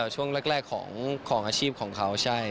ช่วงแรกของอาชีพของเขาใช่